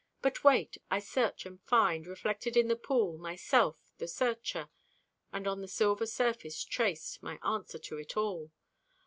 But wait! I search and find, Reflected in the pool, myself, the searcher. And, on the silver surface traced, My answer to it all.